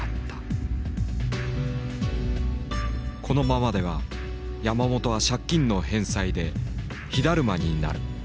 このままでは山本は借金の返済で火だるまになる。